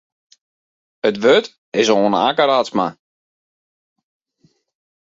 It wurd is oan Akke Radsma.